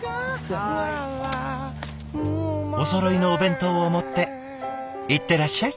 おそろいのお弁当を持っていってらっしゃい！